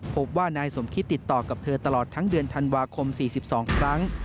พบว่านายสมคิตติดต่อกับเธอตลอดทั้งเดือนธันวาคม๔๒ครั้ง